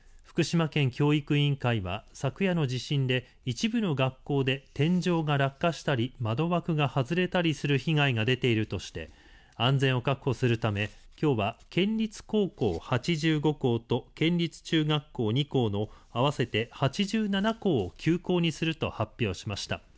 福島県教育委員会は昨夜の地震で一部の学校で天井が落下したり窓枠が外れたりする被害が出ているとして安全を確保するためきょうは県立高校８５校と県立中学校２校の合わせて８７校を休校にすると発表しました。